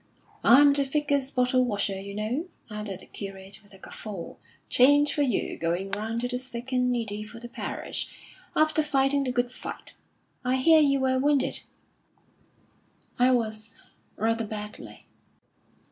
"I'm the Vicar's bottle washer, you know," added the curate, with a guffaw. "Change for you going round to the sick and needy of the parish after fighting the good fight. I hear you were wounded." "I was, rather badly."